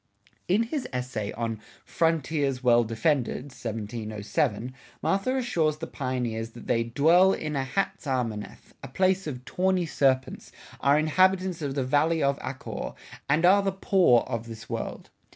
In his essay on "Frontiers Well Defended" (1707) Mather assures the pioneers that they "dwell in a Hatsarmaneth," a place of "tawney serpents," are "inhabitants of the Valley of Achor," and are "the Poor of this World."